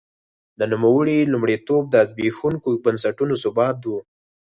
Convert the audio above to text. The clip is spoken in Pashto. د نوموړي لومړیتوب د زبېښونکو بنسټونو ثبات و.